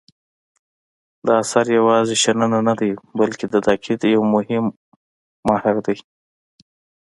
دا اثر یوازې شننه نه دی بلکې د تاکید یو مهم مهر دی.